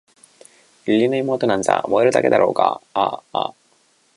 義理の妹なんざ萌えるだけだろうがあ！